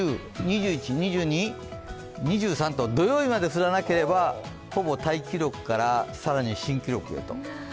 ２３日土曜日まで降らなければ、ほぼタイ記録から新記録へと。